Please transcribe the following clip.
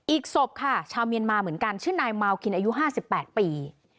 อีกศพค่ะชาวเมียนมาเหมือนกันชื่อนายมาลคินอายุ๕๘ปี